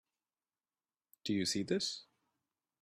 Do you see this?